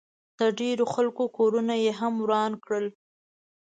د ډېرو خلکو کورونه ئې هم وران کړل